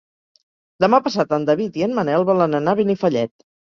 Demà passat en David i en Manel volen anar a Benifallet.